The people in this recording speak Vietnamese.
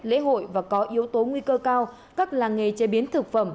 lễ hội và có yếu tố nguy cơ cao các làng nghề chế biến thực phẩm